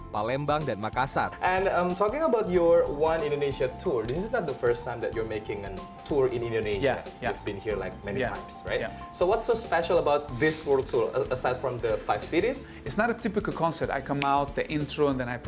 palembang dan makassar